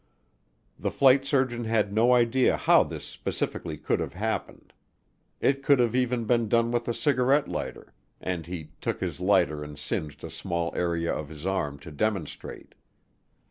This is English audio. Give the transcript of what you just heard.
The flight surgeon had no idea how this specifically could have happened. It could have even been done with a cigarette lighter, and he took his lighter and singed a small area of his arm to demonstrate.